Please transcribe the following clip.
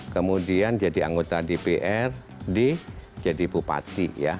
kemudian jadi anggota dprd jadi bupati ya